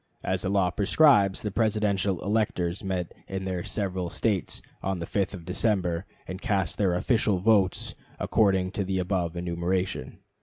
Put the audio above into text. As the law prescribes, the Presidential electors met in their several States on the 5th of December, and cast their official votes according to the above enumeration.